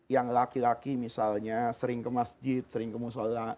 yang laki laki misalnya sering ke masjid sering ke musola